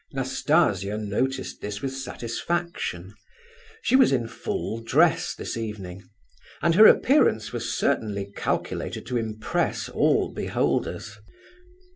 Nastasia noticed this with satisfaction. She was in full dress this evening; and her appearance was certainly calculated to impress all beholders.